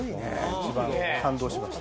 一番感動しました。